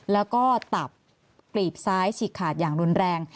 แล้วก็ตับกลีบซ้ายฉีกขาดอย่างรุนแรง